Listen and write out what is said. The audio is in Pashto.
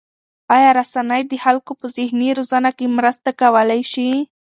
آیا رسنۍ د خلکو په ذهني روزنه کې مرسته کولای شي؟